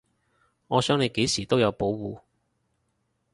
我想你幾時都有保護